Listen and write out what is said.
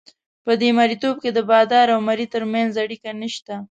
په دې مرییتوب کې د بادار او مریي ترمنځ اړیکه نشته.